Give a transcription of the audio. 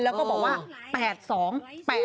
แล้วก็บอกว่า๘๒๘๘